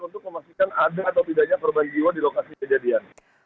untuk memastikan ada atau tidaknya korban jiwa di lokasi kejadian